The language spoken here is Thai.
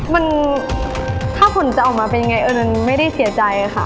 มันถ้าผลจะออกมาเป็นยังไงเออมันไม่ได้เสียใจค่ะ